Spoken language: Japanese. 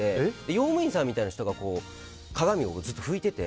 用務員さんみたいな人が鏡をずっと拭いてて。